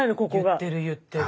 言ってる言ってる。